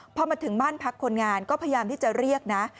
พอมาถึงบ้านพักคนงานก็พยายามที่จะเรียกนะ